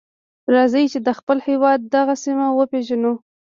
راځئ چې د خپل هېواد دغه سیمه وپیژنو.